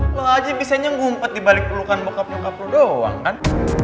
lo aja bisa nyenggumpet dibalik pelukan bokap bokap lo doang kan